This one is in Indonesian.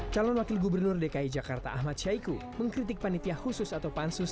calon wakil gubernur dki jakarta ahmad syaiqo mengkritik panitia khusus atau pansus